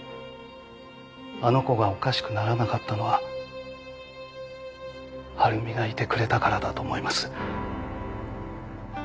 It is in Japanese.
あの子がおかしくならなかったのは晴美がいてくれたからだと思います。